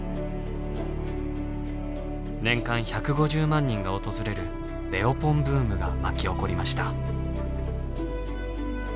年間１５０万人が訪れるレオポンブームが巻き起こりました。